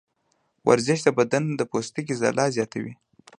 ورزش د بدن د پوستکي ځلا زیاتوي.